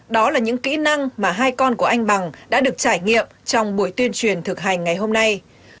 đó là những kỹ năng mà hai con của anh bằng đã được trải nghiệm trong buổi tuyên truyền thực hành ngày hôm nay